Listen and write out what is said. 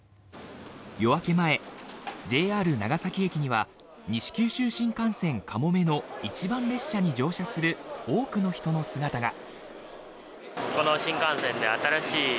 夜明け前、ＪＲ長崎駅には西九州新幹線かもめの一番列車に乗車する多くの人の姿が。